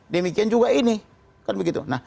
demikian juga ini kan begitu